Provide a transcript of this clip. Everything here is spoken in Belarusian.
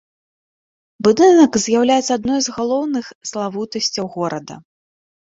Будынак з'яўляецца адной з галоўных славутасцяў горада.